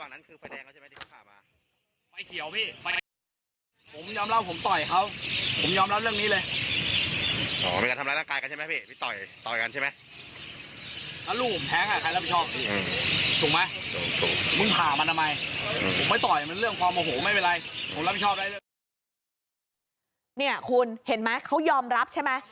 เนี่ยคุณเห็นไหมเขายอมรับใช่ไหม